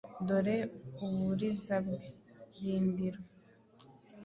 dore uburiza bwe, rindiro,